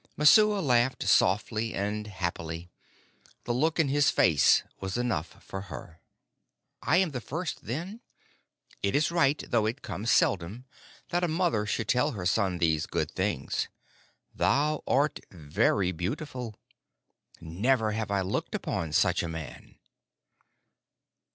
Messua laughed softly and happily. The look in his face was enough for her. "I am the first, then? It is right, though it comes seldom, that a mother should tell her son these good things. Thou art very beautiful. Never have I looked upon such a man."